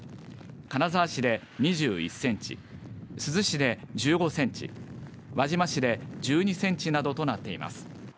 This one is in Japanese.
金沢市で２１センチ珠洲市で１５センチ輪島市で１２センチなどとなっています。